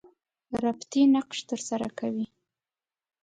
ربطي نقش تر سره کوي.